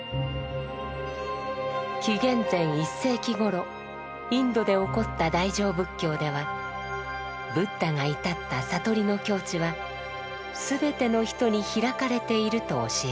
紀元前１世紀頃インドで興った大乗仏教ではブッダが至った悟りの境地はすべての人に開かれていると教えます。